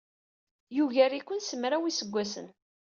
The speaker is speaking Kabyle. Yugar-iken s mraw n yiseggasen.